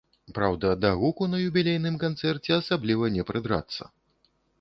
Праўда, да гуку на юбілейным канцэрце асабліва не прыдрацца.